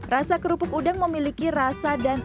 rasa kerupuk udang memiliki rasa dan aroma yang khas